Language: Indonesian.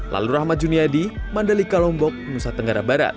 lalu rahmat juniadi mandalika lombok nusa tenggara barat